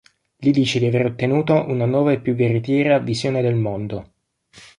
Gli dice di aver ottenuto una nuova e più veritiera visione del mondo.